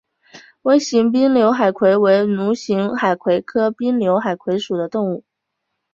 微型滨瘤海葵为蠕形海葵科滨瘤海葵属的动物。